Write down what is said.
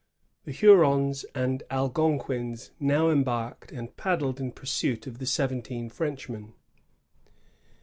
The Hurons and Algonquins now embarked, and paddled in pursuit of the seventeen Frenchmen.